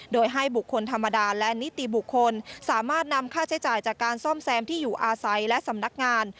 โดยให้บุคคลธรรมดาและนิติบุคคลสามารถนำค่าใช้จ่ายจากการซ่อมแซมที่อยู่อาศัยและสำนักงาน